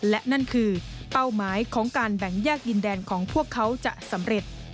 และนั่นคือเป้าหมายของการแบ่งแยกดินแดนของพวกเขาจะสำเร็จ